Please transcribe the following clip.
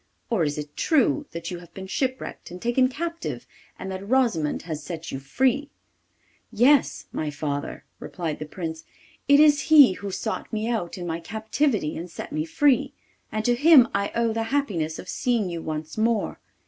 Or is it true that you have been shipwrecked and taken captive, and that Rosimond has set you free?' 'Yes, my father,' replied the Prince. 'It is he who sought me out in my captivity and set me free, and to him I owe the happiness of seeing you once more.